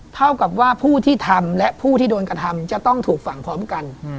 เท่ากับว่าผู้ที่ทำและผู้ที่โดนกระทำจะต้องถูกฝังพร้อมกัน